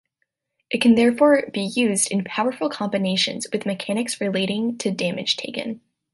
It can therefore be used in powerful combinations with mechanics relating to damage taken.